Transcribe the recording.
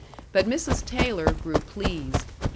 But Mrs. Taylor grew pleased.